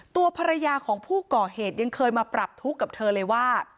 ตัวภรรยาของผู้ก่อเหตุยังเคยมาปรับทุกข์กับเธอเลยว่า